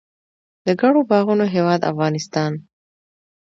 د ګڼو باغونو هیواد افغانستان.